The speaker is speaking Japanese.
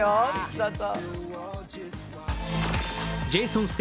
どうぞ。